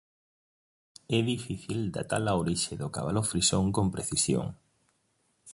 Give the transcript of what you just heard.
É difícil datar a orixe do cabalo frisón con precisión.